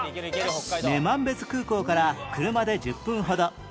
女満別空港から車で１０分ほど